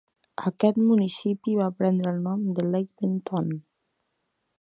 Aquest municipi va prendre el nom de Lake Benton.